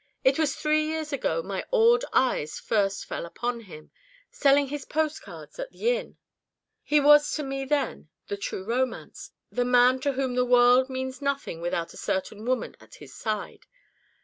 It was three years ago my awed eyes first fell upon him, selling his post cards at the inn. He was to me then the true romance the man to whom the world means nothing without a certain woman at his side.